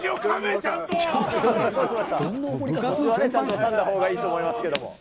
ちゃんとかんだほうがいいと思いますけど。